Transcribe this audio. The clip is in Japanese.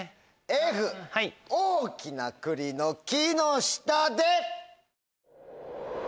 Ｆ『大きな栗の木の下で』。